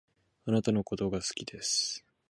貴方のことが好きです